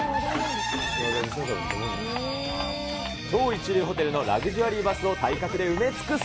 超一流ホテルのラグジュアリーバスを体格で埋め尽くす。